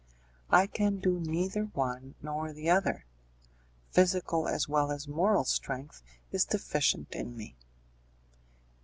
"I can do neither one nor the other; physical as well as moral strength is deficient in me."